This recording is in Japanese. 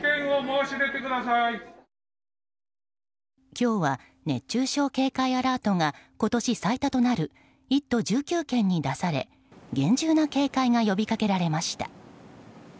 今日は熱中症警戒アラートが今年最多となる１都１９県に出され厳重な警戒が呼び掛けられました。